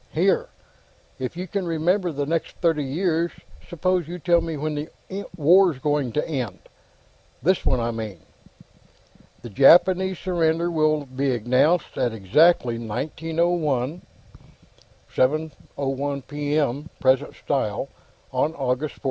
"Here; if you can remember the next thirty years, suppose you tell me when the War's going to end. This one, I mean." "The Japanese surrender will be announced at exactly 1901 7:01 P. M. present style on August 14.